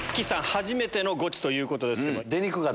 初めてのゴチということですけど。